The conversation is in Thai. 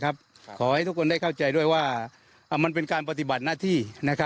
ขอให้ทุกคนได้เข้าใจด้วยว่ามันเป็นการปฏิบัติหน้าที่